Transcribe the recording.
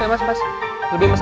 lebih masalah lagi dong mas